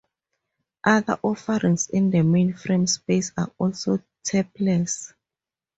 Other offerings in the mainframe space are also "tapeless".